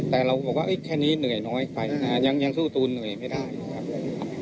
แต่เราก็บอกว่าแค่นี้เหนื่อยน้อยไปยังสู้ตูนเหนื่อยไม่ได้ครับ